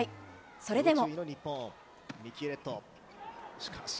それでも。